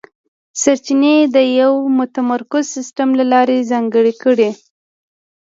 سرچینې یې د یوه متمرکز سیستم له لارې ځانګړې کړې.